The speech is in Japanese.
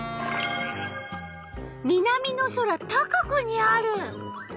南の空高くにある。